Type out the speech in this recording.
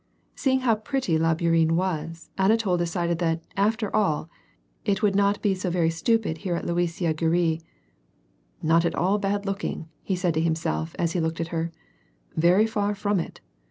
Seeing how ])retty la Bourienne was, Anatol decided that, after all, it would not be so very stupid here at Luisiya Gorui. "Not at all bad looking," he said to hinist^lf, as he looked at her ;" very far from it.